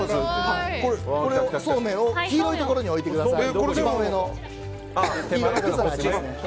そうめんを一番上の黄色いところに置いてください。